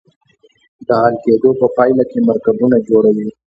د حل کیدو په پایله کې مرکبونه جوړوي.